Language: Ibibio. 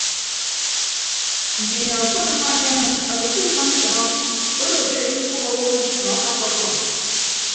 Nsinia okon amaadian obo ke ufọn ntʌnọ odo ke adikpʌghọ owo nọ akappa ọfọn.